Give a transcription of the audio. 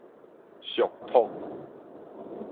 屬託